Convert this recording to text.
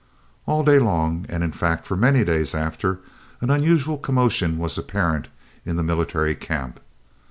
All day long, and in fact for many days after, an unusual commotion was apparent in the Military Camp.